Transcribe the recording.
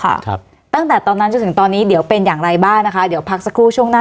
ครับตั้งแต่ตอนนั้นจนถึงตอนนี้เดี๋ยวเป็นอย่างไรบ้างนะคะเดี๋ยวพักสักครู่ช่วงหน้า